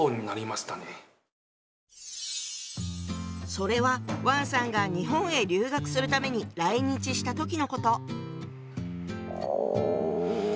それは王さんが日本へ留学するために来日した時のこと。